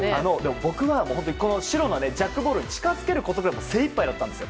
僕は白のジャックボールに近づけることで精一杯だったんですよ。